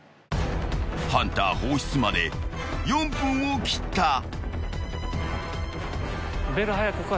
［ハンター放出まで４分を切った］